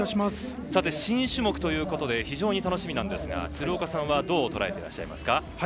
新種目ということで非常に楽しみですが鶴岡さんはどうとらえていらっしゃいますか。